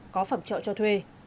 có phòng trọ cho thuê